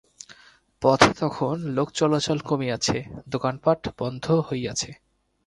পথে তখন লোক চলাচল কমিয়াছে, দোকানপাট বন্ধ হইয়াছে।